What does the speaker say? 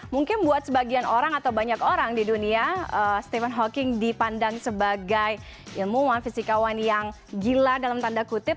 mungkin buat sebagian orang atau banyak orang di dunia stephen hawking dipandang sebagai ilmuwan fisikawan yang gila dalam tanda kutip